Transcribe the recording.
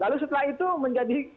lalu setelah itu menjadi